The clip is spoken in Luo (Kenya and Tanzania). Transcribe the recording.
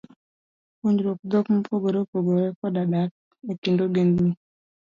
Puonjruok dhok mopogore opogore, koda dak e kind ogendini